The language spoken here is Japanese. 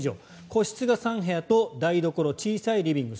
個室が３部屋と台所、小さいリビング